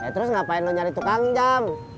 terus ngapain mau nyari tukang jam